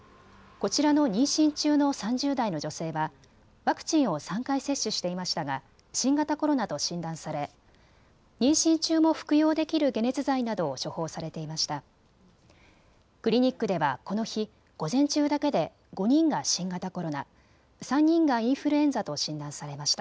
こちらの妊娠中の３０代の女性はワクチンを３回接種していましたが新型コロナと診断され妊娠中も服用できる解熱剤などを処方されていました。